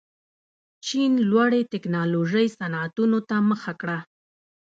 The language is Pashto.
چین لوړې تکنالوژۍ صنعتونو ته مخه کړه.